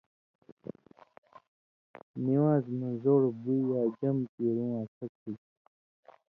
نِوان٘ز مہ زوڑ بوئ یا جم کیرُوں اڅھک ہُوئ تھُو۔